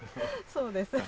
そうです。